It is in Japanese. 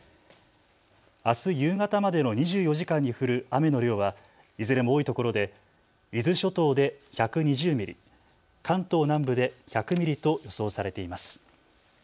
あす夕方までの２４時間に降る雨の量はいずれも多いところで伊豆諸島で１２０ミリ、関東南部で１００ミリと予想されています。